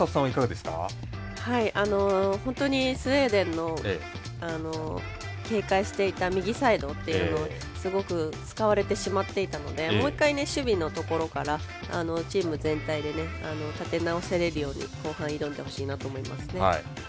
本当にスウェーデンの警戒していた右サイドっていうのをすごく使われてしまっていたのでもう一回、守備のところからチーム全体で立て直せれるように後半挑んでほしいなと思いますね。